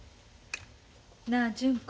なあ純子。